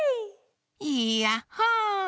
いやっほ！